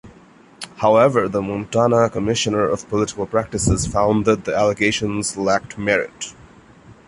However, the Montana Commissioner of Political Practices found that the allegations lacked merit.